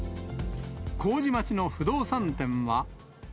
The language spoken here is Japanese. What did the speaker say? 麹町の不動産店は。